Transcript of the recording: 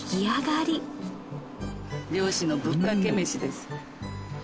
漁師のぶっかけ飯です。